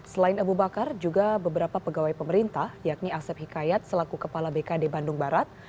selain abu bakar juga beberapa pegawai pemerintah yakni asep hikayat selaku kepala bkd bandung barat